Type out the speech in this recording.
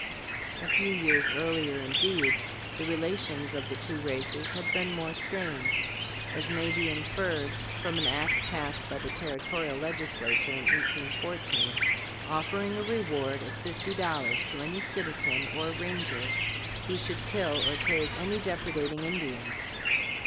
A few years earlier, indeed, the relations of the two races had been more strained, as may be inferred from an act passed by the territorial Legislature in 1814, offering a reward of fifty dollars to any citizen or ranger who should kill or take any depredating Indian.